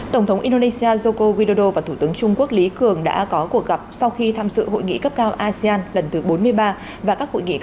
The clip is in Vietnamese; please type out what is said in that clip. tổng thống indonesia joko widodo và thủ tướng trung quốc lý cường đã có cuộc gặp sau khi tham dự hội nghị cấp cao asean lần thứ bốn mươi ba